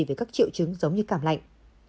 về các triệu chứng giống như cảm lạnh